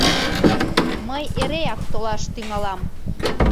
— Мый эреак толаш тӱҥалам!